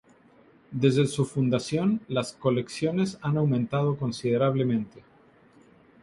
Desde su fundación, las colecciones han aumentado considerablemente.